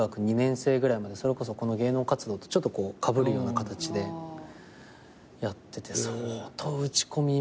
それこそこの芸能活動とちょっとかぶるような形でやってて相当打ち込みましたね。